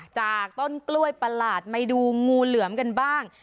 จากต้นกล้วยประหลาดมาดูงูเหลือมกันบ้าง